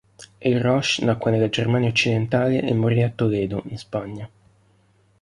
Il Rosh nacque nella Germania occidentale e morì a Toledo, in Spagna.